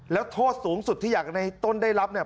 แล้วโทษสูงสุดที่อยากในต้นได้รับเนี่ย